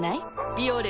「ビオレ」